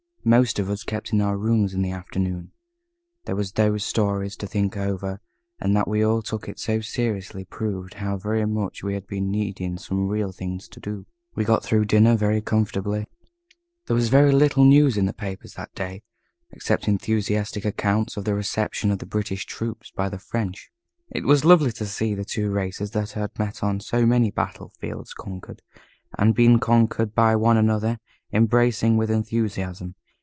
Most of us kept in our rooms in the afternoon. There were those stories to think over, and that we all took it so seriously proved how very much we had been needing some real thing to do. We got through dinner very comfortably. There was little news in the papers that day except enthusiastic accounts of the reception of the British troops by the French. It was lovely to see the two races that had met on so many battle fields conquered, and been conquered by one another embracing with enthusiasm.